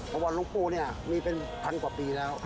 ประวัติลุคปู่นี่มีเป็นพันกว่าปีแล้ว